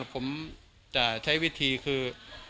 ผมจะใช้วิธีคือ